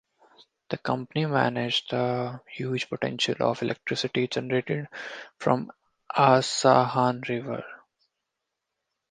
The company manage the huge potential of electricity generated from Asahan River.